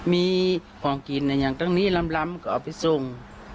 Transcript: มีของกินอย่างตรงนี้ล้ำก็เอาไปส่ง